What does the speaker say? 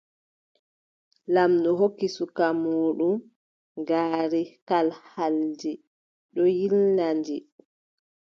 Laamɗo hokki suka muuɗum ngaari kalhaldi ɗon yiilna ndi.